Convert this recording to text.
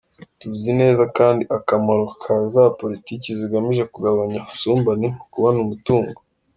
Tuzi neza kandi akamaro ka za politiki zigamije kugabanya ubusumbane mu kubona umutungo.